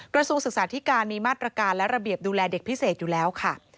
กระทรวงศึกษาธิการมีมาตรการและระเบียบดูแลเด็กพิเศษอยู่แล้วค่ะ